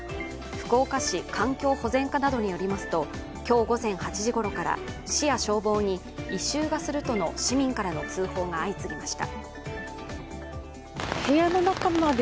福岡市環境保全課などによりますと今日午前８時ごろから市や消防に異臭がするとの市民からの通報が相次ぎました。